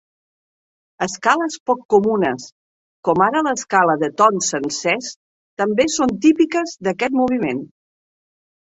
Escales poc comunes, com ara l'escala de tons sencers també són típiques d'aquest moviment.